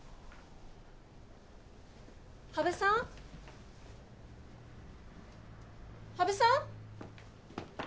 ・羽生さん？・羽生さん？